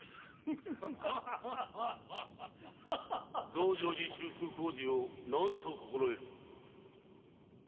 ・増上寺修復工事を何と心得る！